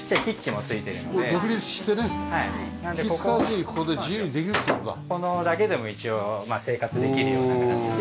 ここだけでも一応生活できるような形で。